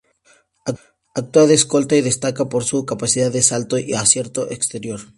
Actúa de Escolta y destaca por su capacidad de salto y acierto exterior.